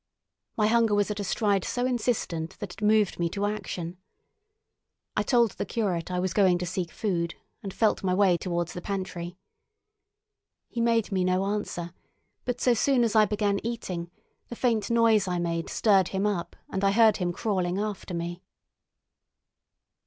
My hunger was at a stride so insistent that it moved me to action. I told the curate I was going to seek food, and felt my way towards the pantry. He made me no answer, but so soon as I began eating the faint noise I made stirred him up and I heard him crawling after me.